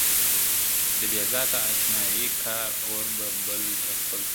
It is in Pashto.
• چي د بې ذاته اشنايي کا اور به بل په خپل تندي کا -